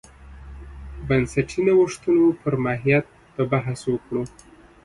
بنسټي نوښتونو پر ماهیت به بحث وکړو.